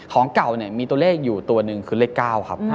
ของเก่ามีตัวเลขอยู่ตัวหนึ่งคือเลข๙